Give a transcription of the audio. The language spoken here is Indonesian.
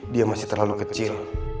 dia masih terlalu kecil